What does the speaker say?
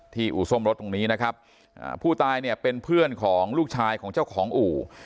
อู่ซ่อมรถตรงนี้นะครับอ่าผู้ตายเนี่ยเป็นเพื่อนของลูกชายของเจ้าของอู่